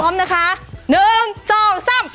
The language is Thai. พร้อมนะคะหนึ่งสองสาม